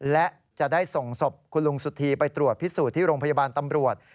และจะได้ส่งศพคุณลุงสุธีไปตรวจพิสูจน์ที่โรงพยาบาลตำรวจ